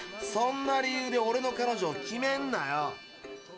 そんな理由でオレの彼女を決めんなよ。